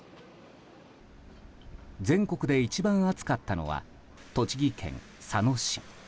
全国で一番暑かったのは栃木県佐野市。